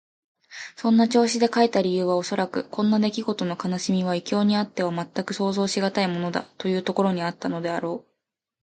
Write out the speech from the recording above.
そんな調子で書いた理由はおそらく、こんなできごとの悲しみは異郷にあってはまったく想像しがたいものだ、というところにあったのであろう。